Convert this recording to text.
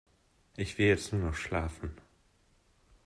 Ich will jetzt nur noch schlafen.